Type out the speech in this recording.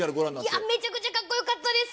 いや、めちゃくちゃかっこよかったです！